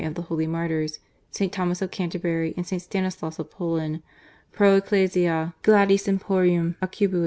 of the holy martyrs, St Thomas of Canterbury and St. Stanislas of Poland : Pro Ecclesia gladiis impiontm occnbuU."